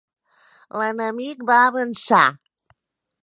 L'enemic va avançar.